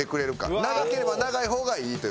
長ければ長い方がいいという。